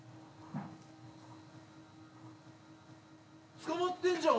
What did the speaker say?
捕まってんじゃん俺。